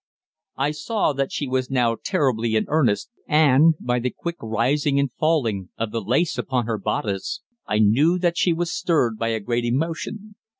I saw that she was now terribly in earnest, and, by the quick rising and falling of the lace upon her bodice, I knew that she was stirred by a great emotion.